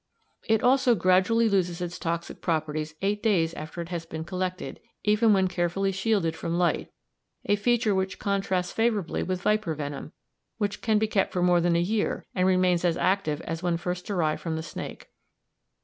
It also gradually loses its toxic properties eight days after it has been collected, even when carefully shielded from light, a feature which contrasts favourably with viper venom, which can be kept for more than a year and remains as active as when first derived from the snake.